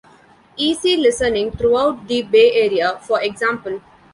Easy listening throughout the Bay Area, for example.